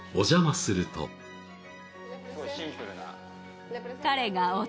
すごいシンプルな。